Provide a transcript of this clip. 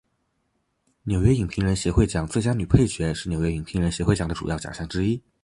纽约影评人协会奖最佳女配角是纽约影评人协会奖的主要奖项之一。